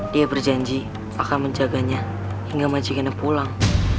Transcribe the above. dia berjanji akan menjaganya hingga majikannya pulang